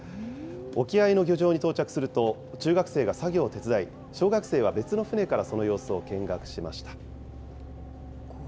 沖合の漁場に到着すると、中学生が作業を手伝い、小学生は別の船から、その様子を見学しました。